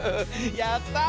やった！